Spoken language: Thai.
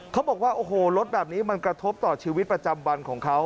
เขาบอกว่าโอ้โหรถแบบนี้มันกระทบต่อชีวิตประจำวันของเขา